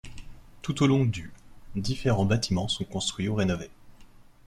Tout au long du différents bâtiments sont construits ou rénovés.